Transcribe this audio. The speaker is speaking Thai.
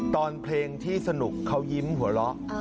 ตอนเพลงที่สนุกเขายิ้มหัวเราะ